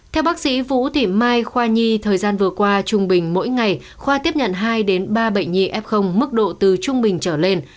theo bác sĩ vũ thị mai khoa nhi thời gian vừa qua trung bình mỗi ngày khoa tiếp nhận hai ba bệnh nhi f mức độ từ trung bình trở lên